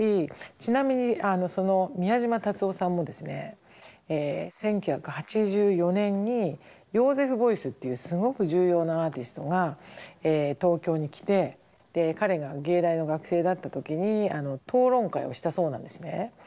ちなみにその宮島達男さんもですね１９８４年にヨーゼフ・ボイスっていうすごく重要なアーティストが東京に来て彼が芸大の学生だった時に討論会をしたそうなんですね。